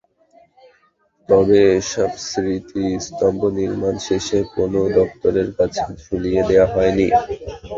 তবে এসব স্মৃতিস্তম্ভ নির্মাণ শেষে কোনো দপ্তরের কাছে বুঝিয়ে দেওয়া হয়নি।